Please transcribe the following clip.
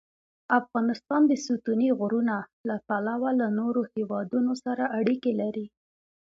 افغانستان د ستوني غرونه له پلوه له نورو هېوادونو سره اړیکې لري.